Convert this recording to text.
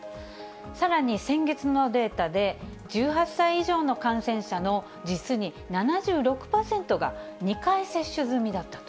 さらに、先月のデータで、１８歳以上の感染者の実に７６％が２回接種済みだったと。